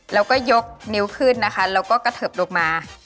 แล้วก็ยกนิ้วขึ้นนะคะแล้วก็กระเทิบลงมา